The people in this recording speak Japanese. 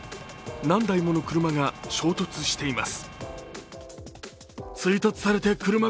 何台もの車が衝突しています。